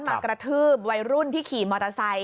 มากระทืบวัยรุ่นที่ขี่มอเตอร์ไซค